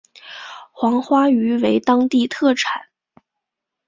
黄花鱼为当地特产。